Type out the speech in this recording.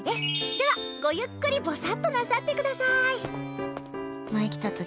では、ごゆっくりぼさっとなさってください。